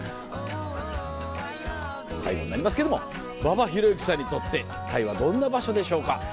最後になりますけれども馬場裕之さんにとってタイはどんな場所でしょうか？